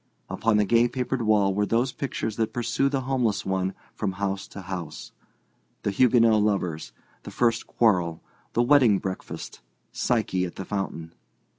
Upon the gay papered wall were those pictures that pursue the homeless one from house to house—The Huguenot Lovers, The First Quarrel, The Wedding Breakfast, Psyche at the Fountain.